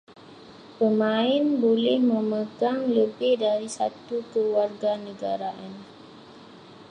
Pemain boleh memegang lebih daripada satu kewarganegaraan